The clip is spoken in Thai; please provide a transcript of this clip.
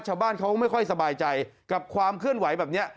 ชาวบ้านเขาก็ไม่ค่อยสบายใจกับความเคลื่อนไหวแบบนี้